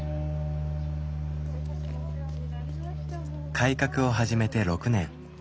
改革を始めて６年。